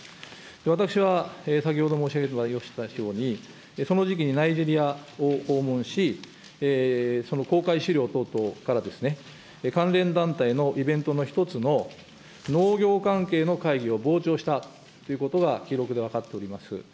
私は先ほど申し上げましたように、その時期にナイジェリアを訪問し、公開資料等々から関連団体のイベントの一つの農業関係の会議を傍聴したということが記録で分かっております。